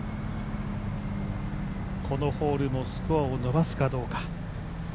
このホールもスコアを伸ばすかどうか。